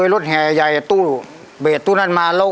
ไปเจอรถใหญ่ตู้เบสตู้นั้นมา